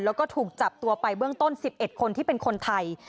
แล้วก็ถูกจับตัวไปเบื้องต้น๑๑คนที่เป็นคนไทย